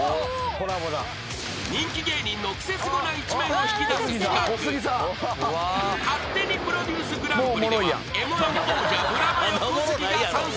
［人気芸人のクセスゴな一面を引き出す企画勝手にプロデュースＧＰではＭ−１王者ブラマヨ小杉が参戦］